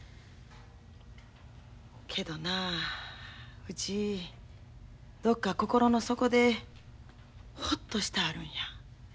けどなうちどっか心の底でほっとしたあるんや。